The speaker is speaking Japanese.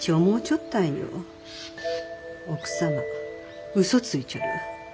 奥様嘘ついちょる。